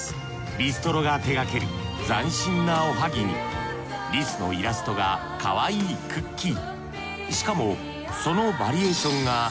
ビストロが手がける斬新なおはぎにリスのイラストがかわいいクッキー。